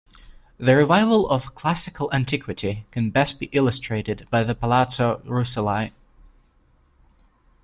The revival of classical antiquity can best be illustrated by the Palazzo Rucellai.